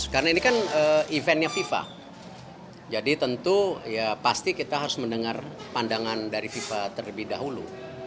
karena ini kan eventnya fifa jadi tentu ya pasti kita harus mendengar pandangan dari fifa terlebih dahulu